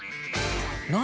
何？